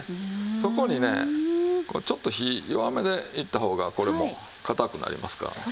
そこにねこうちょっと火弱めで煎った方がこれもう硬くなりますからね。